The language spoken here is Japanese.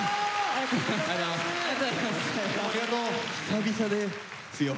久々ですよ